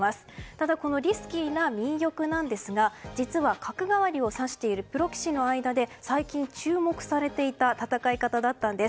ただ、リスキーな右玉なんですが実は角換わりを指しているプロ棋士の間で最近注目されていた戦い方だったんです。